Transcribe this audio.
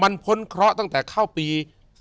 มันพ้นเคราะห์ตั้งแต่เข้าปี๒๕๖